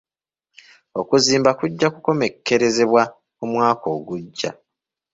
Okuzimba kujja kukomekkerezebwa omwaka ogujja.